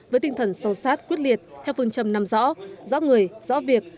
với tinh thần sâu sát quyết liệt theo phương trầm nằm rõ rõ người rõ việc